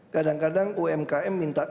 kadang kadang umkm minta